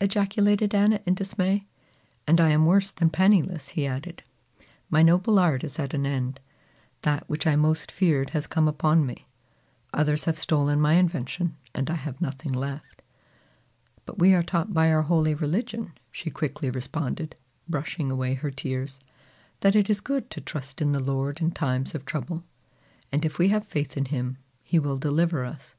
ejaculated Anna in dismay. "And I am worse than penniless," he added. "My noble art is at an end. That which I most feared has come upon me. Others have stolen my invention and I have nothing left." "But we are taught by our holy religion," she quickly responded, brushing away her tears, "that it is good to trust in the Lord in times of trouble, and if we have faith in him, he will deliver us."